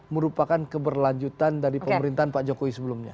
merupakan keberlanjutan dari pemerintahan pak jokowi sebelumnya